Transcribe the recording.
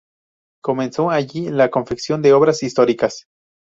Comenzó allí la confección de obras históricas.